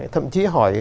thậm chí hỏi